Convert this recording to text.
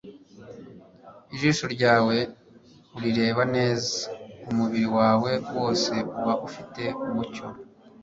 "Ijisho ryawe urireba neza, umubiri wawe wose uba ufite umucyo;